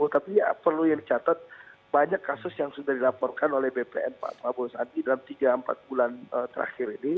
tapi perlu yang dicatat banyak kasus yang sudah dilaporkan oleh bpn pak prabowo sandi dalam tiga empat bulan terakhir ini